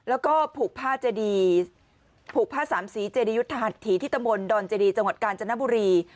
แล้วก็ผูกผ้าเจดีผูกผ้าสามสีเจดียุทธหัสถีที่ตำบลดอนเจดีจังหวัดกาญจนบุรี